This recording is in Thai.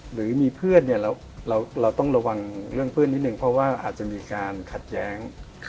หรือมีเพื่อนเราต้องระวังเรื่องเพื่อนนิดนึงเพราะว่าอาจจะมีการขัดแย้ง